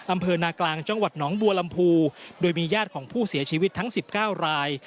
อำเภอนากลางจังหวัดหนองบัวลำพูโดยมีญาติของผู้เสียชีวิตทั้ง๑๙ราย